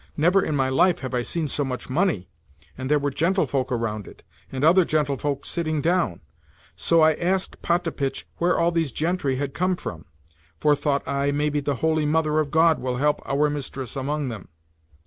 Never in my life have I seen so much money. And there were gentlefolk around it, and other gentlefolk sitting down. So, I asked Potapitch where all these gentry had come from; for, thought I, maybe the Holy Mother of God will help our mistress among them.